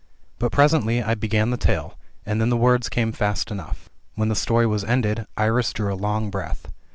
But presently I began the tale, and then the words came fast enough. When the story was ended, Iris drew a long breath.